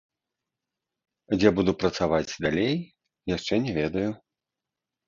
Дзе буду працаваць далей яшчэ не ведаю.